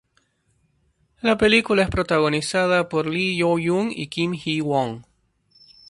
La película es protagonizada por Lee Yoo-young y Kim Hee-won.